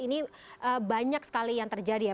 ini banyak sekali yang terjadi ya